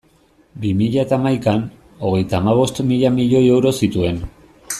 Bi mila eta hamaikan, hogeita hamabost mila milioi euro zituen.